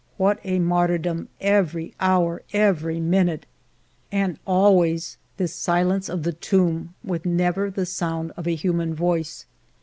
What a martyrdom, every hour, every minute ! And always this silence of the tomb, with never the sound of a human voice.